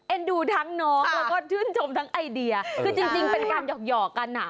ดูทั้งน้องแล้วก็ชื่นชมทั้งไอเดียคือจริงเป็นการหยอกกันอ่ะ